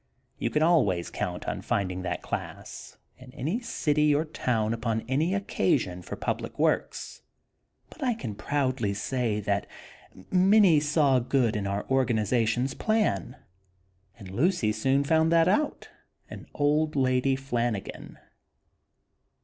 You can always count on finding that class in any city or town upon any occasion for public works; but I can proudly say that many saw good in our Organization's plan; and Lucy soon found that out, in Old Lady Flanagan.